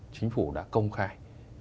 chính phủ đã công khai